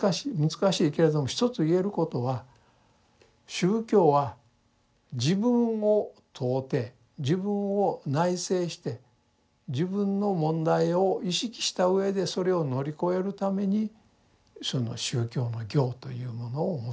難しいけれども一つ言えることは宗教は自分を問うて自分を内省して自分の問題を意識したうえでそれを乗り越えるためにその宗教の行というものを求めると。